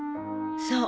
そう。